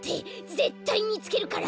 ぜったいみつけるから。